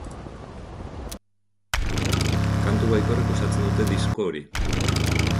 Kantu baikorrek osatzen dute disko hori.